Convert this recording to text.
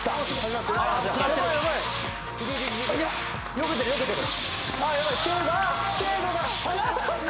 よけてるよけてる。